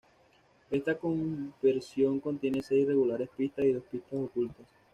Esta conversión contiene seis regulares pistas y dos pistas ocultas.